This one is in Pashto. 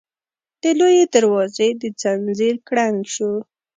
د لويي دروازې د ځنځير کړنګ شو.